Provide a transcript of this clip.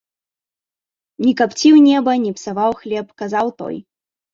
Не капціў неба, не псаваў хлеб, казаў той.